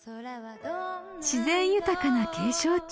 ［自然豊かな景勝地